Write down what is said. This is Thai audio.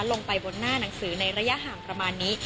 ลงไปบนหน้าหนังสือในระยะห่างประมาณนี้